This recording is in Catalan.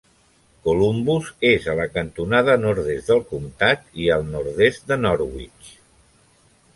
Columbus és a la cantonada nord-est del comtat i al nord-est de Norwich.